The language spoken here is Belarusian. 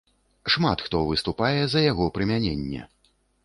Шмат хто выступае за яго прымяненне.